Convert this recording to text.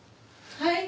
はい。